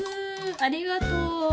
ありがとう。